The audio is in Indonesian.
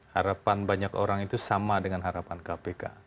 harapan banyak orang itu sama dengan harapan kpk